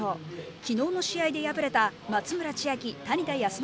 きのうの試合で敗れた松村千秋谷田康真